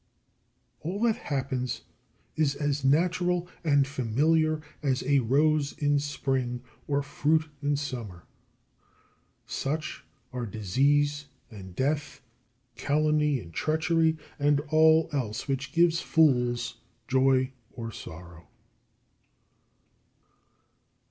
44. All that happens is as natural and familiar as a rose in spring, or fruit in summer. Such are disease and death, calumny and treachery, and all else which gives fools joy or sorrow.